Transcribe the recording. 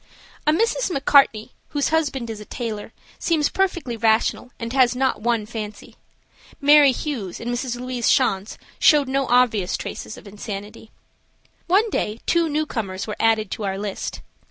A Mrs. McCartney, whose husband is a tailor, seems perfectly rational and has not one fancy. Mary Hughes and Mrs. Louise Schanz showed no obvious traces of insanity. One day two new comers were added to our list.